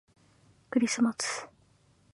クリスマス